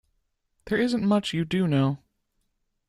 There isn't much you do know.